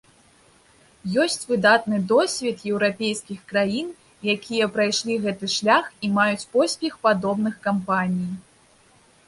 Ёсць выдатны досвед еўрапейскіх краін, якія прайшлі гэты шлях і маюць поспех падобных кампаній.